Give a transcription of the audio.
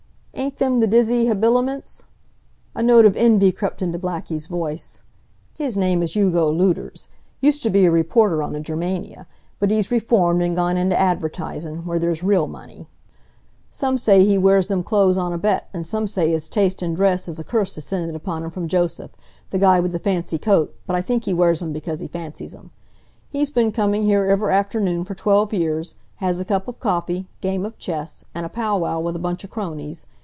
"Ain't them th' dizzy habiliments?" A note of envy crept into Blackie's voice. "His name is Hugo Luders. Used t' be a reporter on the Germania, but he's reformed and gone into advertisin', where there's real money. Some say he wears them clo'es on a bet, and some say his taste in dress is a curse descended upon him from Joseph, the guy with the fancy coat, but I think he wears 'em because he fancies 'em. He's been coming here ever' afternoon for twelve years, has a cup of coffee, game of chess, and a pow wow with a bunch of cronies.